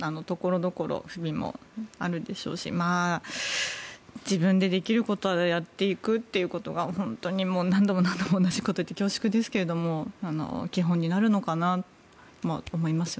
所々、不備もあるでしょうし自分でできることからやっていくということが本当に何度も何度も同じこと言って恐縮ですけれども基本になるのかなと思います。